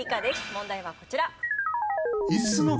問題はこちら。